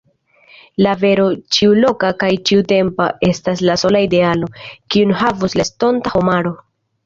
La vero, ĉiuloka kaj ĉiutempa, estas la sola idealo, kiun havos la estonta homaro.